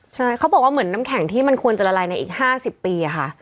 ใช่เขาบอกว่าเหมือนน้ำแข็งที่มันควรจะละลายในอีก๕๐ปีค่ะ